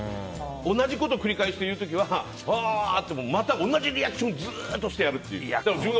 同じこと繰り返して言う時ははあ！って同じリアクションをずっとしてやる。